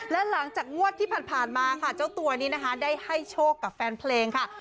และหลังจากงวดที่ผ่านมาค่ะเจ้าตัวนี้นะคะได้ให้โชคกับแฟนเพลงค่ะ